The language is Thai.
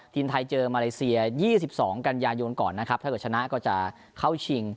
ทีมไทยเจอมาเลเซีย๒๒กันยายนก่อนนะครับถ้าเกิดชนะก็จะเข้าชิง